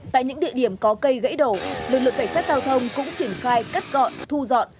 tại những địa điểm có cây gãy đổ lực lượng cảnh sát giao thông cũng triển khai cắt gọn thu dọn